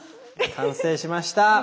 完成しました！